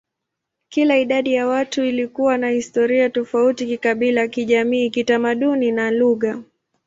Kila idadi ya watu ilikuwa na historia tofauti kikabila, kijamii, kitamaduni, na lugha.